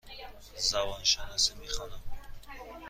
زبان شناسی می خوانم.